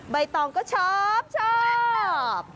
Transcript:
ใบตองก็ชอบ